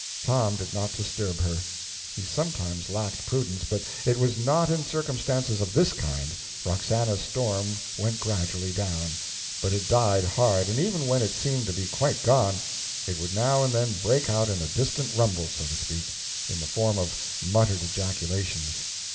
Tom did not disturb her; he sometimes lacked prudence, but it was not in circumstances of this kind, Roxana's storm went gradually down, but it died hard, and even when it seemed to be quite gone, it would now and then break out in a distant rumble, so to speak, in the form of muttered ejaculations.